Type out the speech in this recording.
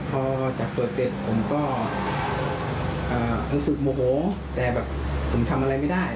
พอจากเปิดเสร็จผมก็รู้สึกโมโหแต่แบบผมทำอะไรไม่ได้